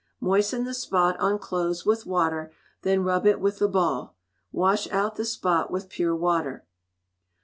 Moisten the spot on clothes with water, then rub it with the ball. Wash out the spot with pure water.